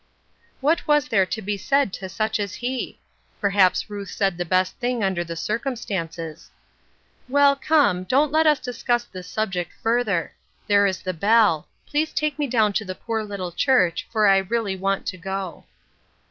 What was there to be said to such as he? Perhaps Ruth said the best thing under the cir cumstances. " Well, come, don't let us discuss the subject further ; there is the bell ; please take me down to the poor little church, for I really want to go."